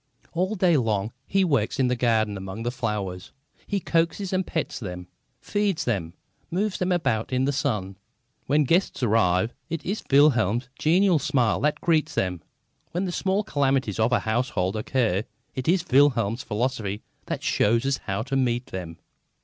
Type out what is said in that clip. All day long he works in the garden among his flowers. He coaxes and pets them, feeds them, moves them about in the sun. When guests arrive, it is Wilhelm's genial smile that greets them. When the small calamities of a household occur, it is Wilhelm's philosophy that shows us how to meet them.